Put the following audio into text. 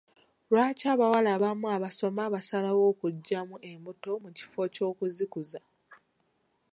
Lwaki abawala abamu abasoma basalawo okuggyamu embuto mu kifo ky'okuzikuza?